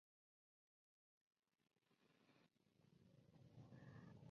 Se crio en la propia Ceuta, muy influido por la cercana cultura andalusí.